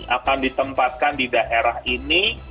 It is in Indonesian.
akan ditempatkan di daerah ini